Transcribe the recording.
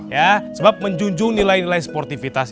ya sebab menjunjung nilai nilai sportivitas